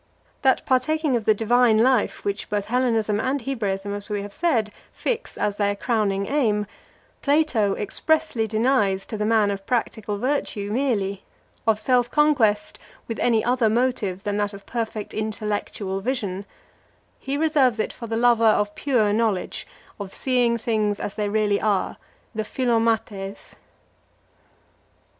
That partaking of the divine life, which both Hellenism and Hebraism, as we have said, fix as their crowning aim, Plato expressly denies to the man of practical virtue merely, of self conquest with any other motive than that of perfect intellectual vision; he reserves it for the lover of pure knowledge, of seeing things as they really are, the philomathês.